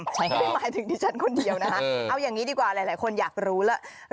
ใช่ค่ะไม่หมายถึงที่ฉันคนเดียวนะคะเอาอย่างงี้ดีกว่าหลายหลายคนอยากรู้แล้ว